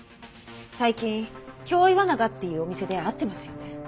最近京いわながっていうお店で会ってますよね？